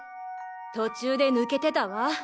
途中で抜けてたわ。